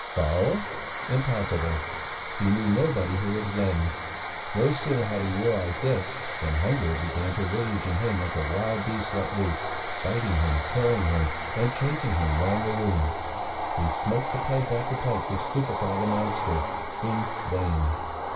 Borrow? Impossible! He knew nobody who would lend. No sooner had he realized this than hunger began to rage in him like a wild beast let loose, biting him, tearing him and chasing him round the room. He smoked pipe after pipe to stupefy the monster; in vain.